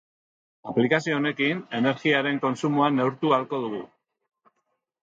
Aplikazio honekin, energiaren kontsumoa neurtu ahalko dugu.